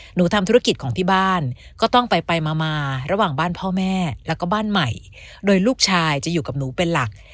หนูทำธุรกิจของที่บ้านก็ต้องไปไปมามาระหว่างบ้านพ่อแม่แล้วก็บ้านใหม่โดยลูกชายจะอยู่กับหนูเป็นหลัก